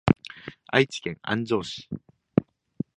愛知県安城市